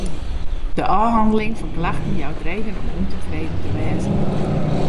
De ôfhanneling fan klachten jout reden om ûntefreden te wêzen.